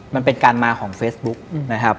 มันเป็นการมาของเฟซบุ๊กนะครับ